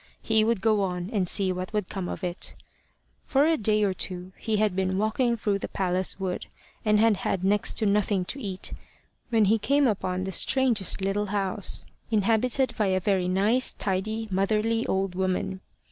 He would go on, and see what would come of it. For a day or two he had been walking through the palace wood, and had had next to nothing to eat, when he came upon the strangest little house, inhabited by a very nice, tidy, motherly old woman.